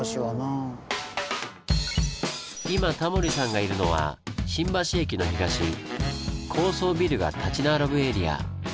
今タモリさんがいるのは新橋駅の東高層ビルが立ち並ぶエリア。